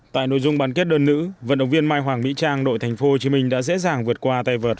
tại nội dung bán kết đơn nữ vận động viên mai hoàng mỹ trang đội tp hcm đã dễ dàng vượt qua tay vợt